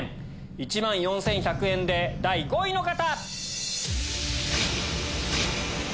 １万４１００円で第５位の方！